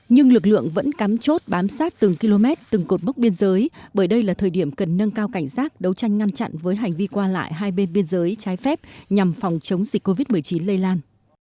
nhưng lực lượng vẫn cắm chốt bám sát từng km từng cột mốc biên giới bởi đây là thời điểm cần nâng cao cảnh giác đấu tranh ngăn chặn với hành vi qua lại hai bên biên giới trái phép nhằm phòng chống dịch covid một mươi chín lây lan